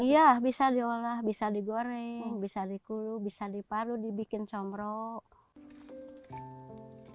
iya bisa diolah bisa digoreng bisa dikuluh bisa diparuh dibikin somrok